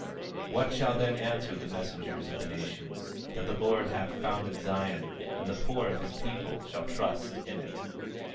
24:32 What shall then answer the messengers of the nations? That the Lord hath founded Zion, and the poor of his people shall trust in it.